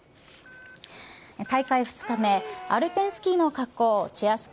大会２日目アルペンスキーの滑降チェア